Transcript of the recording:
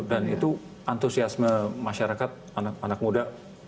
dan itu antusiasme masyarakat anak anak muda